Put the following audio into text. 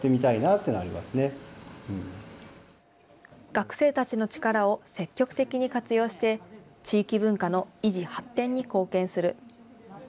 学生たちの力を積極的に活用して、地域文化の維持、発展に貢献する。